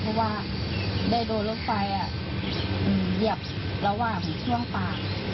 เพราะว่าได้โดนรถไฟเหยียบระหว่างช่วงปาก